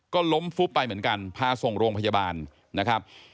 ก็ล้มฟุบไปเหมือนกันพาส่งโรงพยาบาลนะครับ